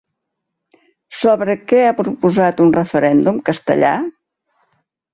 Sobre què ha proposat un referèndum Castellà?